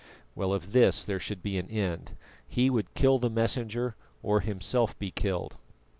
Well, of this there should be an end; he would kill the Messenger, or himself be killed.